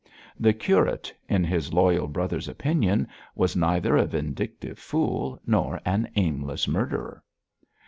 The curate, in his loyal brother's opinion, was neither a vindictive fool nor an aimless murderer.